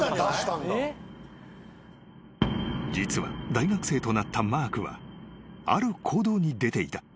［実は大学生となったマークはある行動に出ていた］